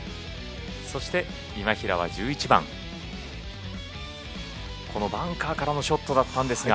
そして今平は１１番このバンカーからのショットだったんですが。